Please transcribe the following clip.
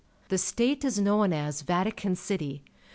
The state is known as Vatican City.